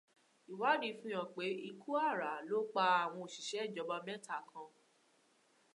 Ìwádìí fi hàn pé ikú àrá ló pa àwọn òṣìṣẹ́ ìjọba mẹ́ta kan.